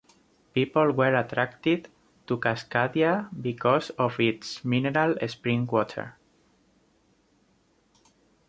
People were attracted to Cascadia because of its mineral spring water.